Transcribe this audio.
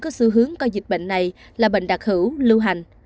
có xu hướng coi dịch bệnh này là bệnh đặc hữu lưu hành